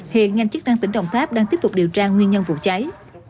hiện ngành chức năng tỉnh đồng tháp đang tiếp tục điều tra nguyên nhân vụ cháy